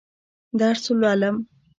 درس لولم.